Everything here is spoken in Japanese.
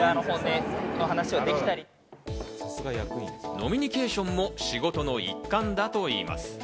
飲みニケーションも仕事の一環だといいます。